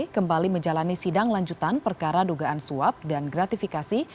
kembali menjalani sidang lanjutan perkara dugaan suap dan gratifikasi